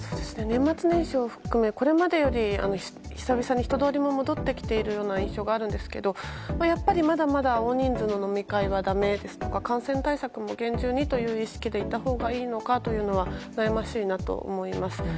年末年始を含め、これまでより久々に人通りも戻ってきているような印象があるんですがやっぱりまだまだ大人数の飲み会はだめですとか感染対策も厳重にという意識でいたほうがいいのかというのは悩ましいなと思います。